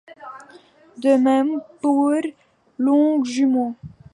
De même pour Longjumeau.